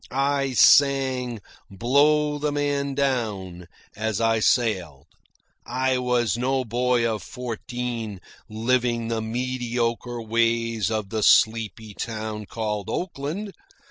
I sang "Blow the Man Down" as I sailed. I was no boy of fourteen, living the mediocre ways of the sleepy town called Oakland.